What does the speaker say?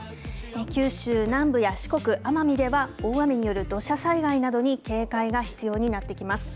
九州南部や四国、奄美では大雨による土砂災害などに警戒が必要になってきます。